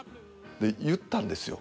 で言ったんですよ